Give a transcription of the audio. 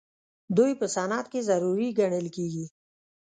دوی په صنعت کې ضروري ګڼل کیږي.